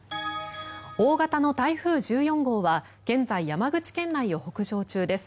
大型の台風１４号は現在、山口県内を北上中です。